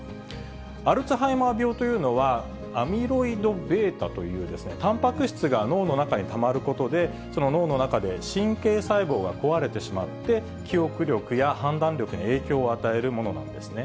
アルツハイマー病というのは、アミロイドβというたんぱく質が脳の中にたまることで、その脳の中で神経細胞が壊れてしまって、記憶力や判断力に影響を与えるものなんですね。